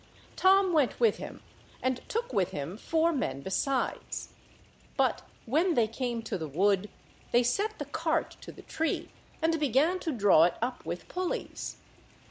Tom went with him, and took with him four men besides; but when they came to the wood they set the cart to the tree, and began to draw it up with pulleys.